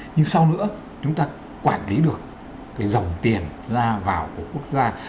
nhưng sau nữa chúng ta quản lý được cái dòng tiền ra vào của quốc gia